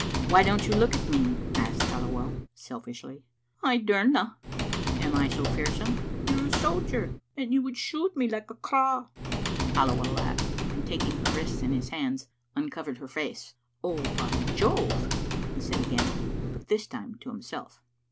"Why don't you look at me?" asked Halliwell, selfishly. "Idaunut" Digitized by VjOOQ IC % TRIloman'0 ;6|^9* «• "Am I so fearsome?" "You're a sojer, and you would shoot me like a craw." Halliwell laughed, and taking her wrists in his hands, uncovered her face. "Oh, by Jove!" he said again, but this time to himself.